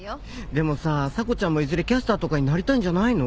でもさ査子ちゃんもいずれキャスターとかになりたいんじゃないの？